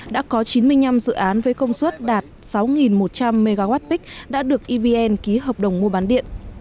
đã có chín mươi năm dự án với công suất đạt sáu một trăm linh mwp đã được evn ký hợp đồng mua bán điện